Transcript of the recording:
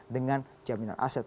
dengan cerminan aset